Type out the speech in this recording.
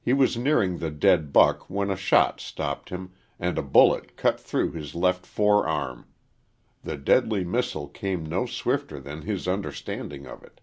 He was nearing the dead buck when a shot stopped him, and a bullet cut through his left fore arm. The deadly missile came no swifter than his understanding of it.